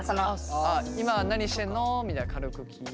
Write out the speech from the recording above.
今何してんの？みたいに軽く聞いて。